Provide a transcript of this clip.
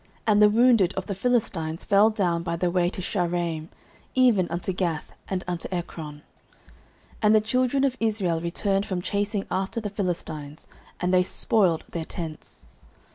And the wounded of the Philistines fell down by the way to Shaaraim, even unto Gath, and unto Ekron. 09:017:053 And the children of Israel returned from chasing after the Philistines, and they spoiled their tents.